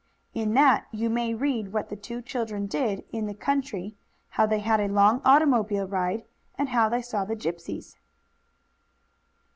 In that you may read what the two children did in the country, how they had a long automobile ride, and how they saw the Gypsies.